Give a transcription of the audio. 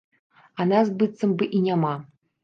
А нас быццам бы і няма.